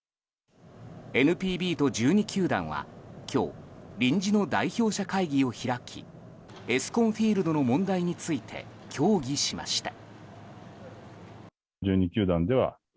ＮＰＢと１２球団は今日臨時の代表者会議を開きＥＳＣＯＮＦＩＥＬＤの問題について協議しました。